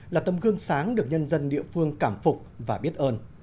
là tấm gương sáng được nhân dân địa phương cảm phục và biết ơn